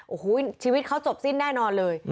โอ้โหชีวิตเขาจบสิ้นแน่นอนเลย